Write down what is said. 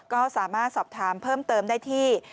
ก็สามารถสอบถามเพิ่มเติมได้ที่